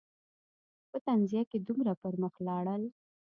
په تنزیه کې دومره پر مخ لاړل.